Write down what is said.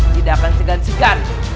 tidak akan segan segan